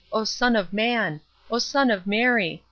O Son of Man! O Son of Mary!